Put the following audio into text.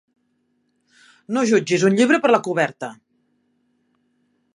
No jutgis un llibre per la coberta.